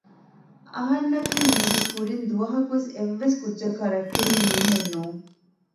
އަހަންނަކީ މީގެ ކުރިން ދުވަހަކުވެސް އެއްވެސް ކުއްޖަކާއި ރައްޓެހިވި މީހެއް ނޫން